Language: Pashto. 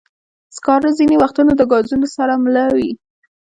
سکاره ځینې وختونه د ګازونو سره مله وي.